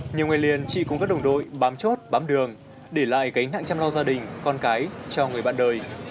nhiều ngày liền chị cùng các đồng đội bám chốt bám đường để lại gánh nặng chăm lo gia đình con cái cho người bạn đời